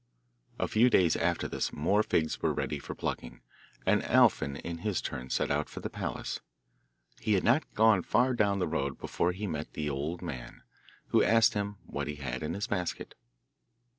A few days after this more figs were ready for plucking, and Alfin in his turn set out for the palace. He had not gone far down the road before he met the old man, who asked him what he had in his basket.